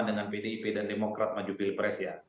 dengan pdip dan demokrat maju pilpres ya